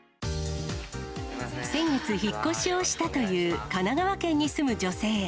先月、引っ越しをしたという神奈川県に住む女性。